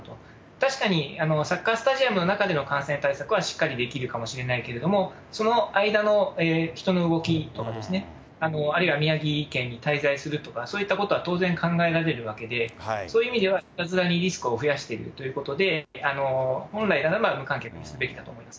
確かに、サッカースタジアムの中での感染対策はしっかりできるかもしれないけれども、その間の人の動きとかですね、あるいは宮城県に滞在するとか、そういったことは当然考えられるわけで、そういう意味ではいたずらにリスクを増やしているということで、本来ならば、無観客にすべきだと思います。